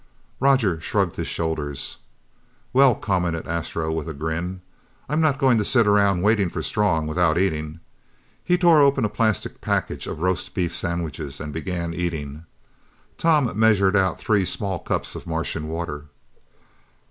Roger shrugged his shoulders. "Well," commented Astro with a grin, "I'm not going to sit around waiting for Strong without eating!" He tore open a plastic package of roast beef sandwiches and began eating. Tom measured out three small cups of Martian water.